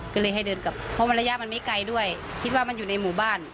มันระยะมันไม่ไกลด้วยคิดว่ามันอยู่ในหมู่บ้าน